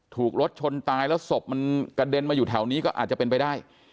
ถูกรถชนตายแล้วศพมันกระเด็นมาอยู่แถวนี้ก็อาจจะเป็นไปได้